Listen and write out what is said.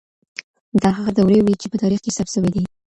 دا هغه دورې وې چي په تاريخ کي ثبت سوې دي.